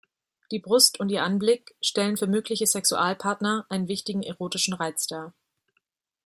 Die Brust und ihr Anblick stellen für mögliche Sexualpartner einen wichtigen erotischen Reiz dar.